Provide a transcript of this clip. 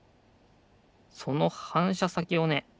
そのはんしゃさきをね